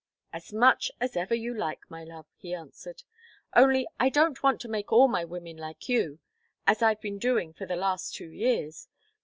"As much as ever you like, my love," he answered. "Only I don't want to make all my women like you, as I've been doing for the last two years.